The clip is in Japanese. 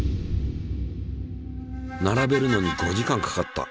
並べるのに５時間かかった。